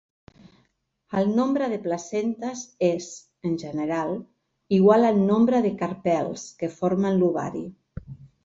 El nombre de placentes és, en general, igual al nombre de carpels que formen l'ovari.